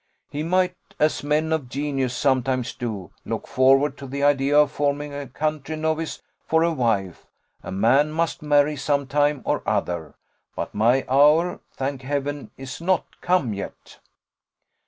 He might, as men of genius sometimes do, look forward to the idea of forming a country novice for a wife. A man must marry some time or other but my hour, thank Heaven, is not come yet."